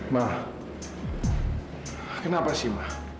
ma kenapa sih ma